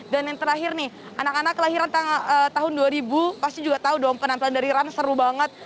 dan yang terakhir nih anak anak kelahiran tahun dua ribu pasti juga tau dong penampilan dari ran seru banget